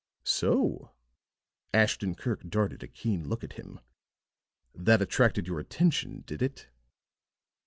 "So!" Ashton Kirk darted a keen look at him. "That attracted your attention, did it?"